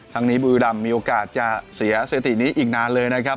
ทั้งนี้บุรีรำมีโอกาสจะเสียสถิตินี้อีกนานเลยนะครับ